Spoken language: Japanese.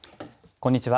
こんにちは。